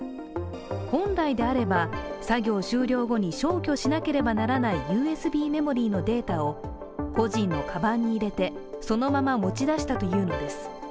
本来であれば作業終了後に消去しなければならないＵＳＢメモリーのデータを個人のかばんに入れてそのまま持ち出したというのです。